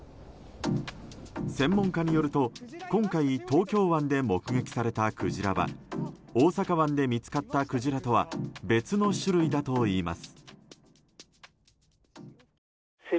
専門家によると今回東京湾で目撃されたクジラは大阪湾で見つかったクジラとは別の種類だといいます。